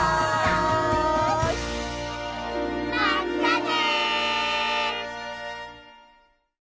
まったね！